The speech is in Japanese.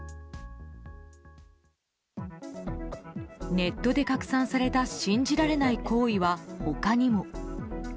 ネットで拡散された信じられない行為は他にも。